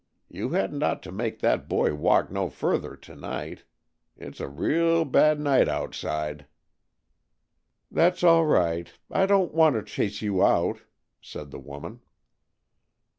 You hadn't ought to make that boy walk no further to night. It's a real bad night outside." "That's all right. I don't want to chase you out," said the woman.